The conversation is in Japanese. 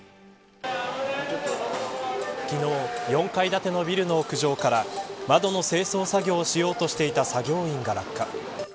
昨日、４階建てのビルの屋上から窓の清掃作業をしようとしていた作業員が落下。